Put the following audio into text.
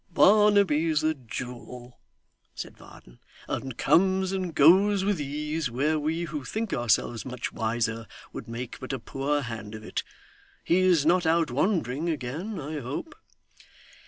'Barnaby's a jewel!' said Varden; 'and comes and goes with ease where we who think ourselves much wiser would make but a poor hand of it. He is not out wandering, again, I hope?